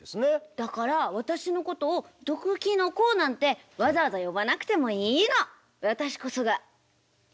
だから私のことを毒キノコなんてわざわざ呼ばなくてもいいの！